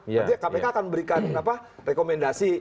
jadi kpk akan memberikan rekomendasi